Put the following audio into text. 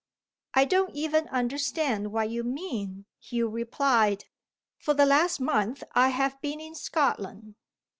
"I don't even understand what you mean," Hugh replied. "For the last month I have been in Scotland."